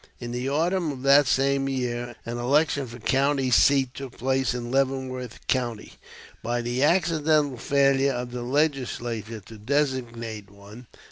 In the autumn of that same year an election for county seat took place in Leavenworth County by the accidental failure of the Legislature to designate one.